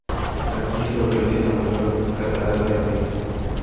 Aquí se localiza la mayor catarata del país.